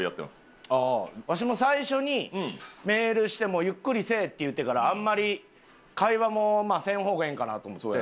わしも最初にメールしてもうゆっくりせえって言ってからあんまり会話もせん方がええんかなと思って。